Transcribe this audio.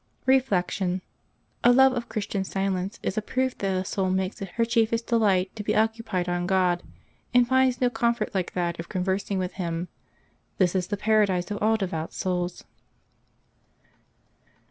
Reflection. — A love of Christian silence is a proof that a soul makes it her chiefest delight to be occupied on God, and finds no comfort like that of conversing with Him. This is the paradise of all devout souls.